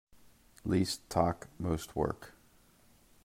Least talk most work.